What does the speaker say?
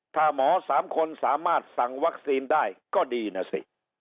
ถ้าหมอ๓คนสามารถสั่งวัคซีนได้ก็ดีนะสิ